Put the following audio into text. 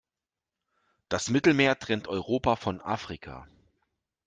Das Mittelmeer trennt Europa von Afrika.